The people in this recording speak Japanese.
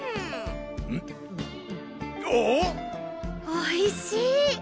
おいしい。